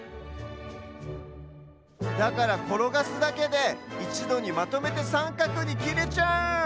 だからころがすだけでいちどにまとめてさんかくにきれちゃう！